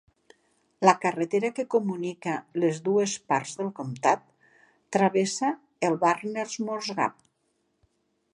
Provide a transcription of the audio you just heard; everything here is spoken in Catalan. La carretera que comunica les dues parts del comtat travessa el Barnesmore Gap.